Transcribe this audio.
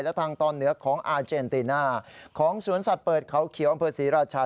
และทางตอนเหนือของอาเจนติน่าของสวนสัตว์เปิดเขาเขียวอำเภอศรีราชา